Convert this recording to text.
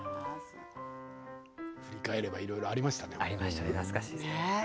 振り返ればいろいろありましたね。